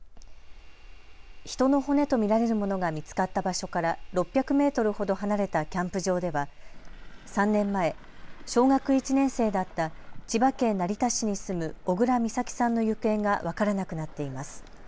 人の骨と見られるものが見つかった場所から６００メートルほど離れたキャンプ場では３年前小学１年生だった千葉県成田市に住む小倉美咲さんの行方が分からなくなっています。